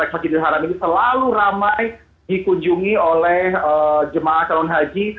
masjidil haram ini selalu ramai dikunjungi oleh jemaah calon haji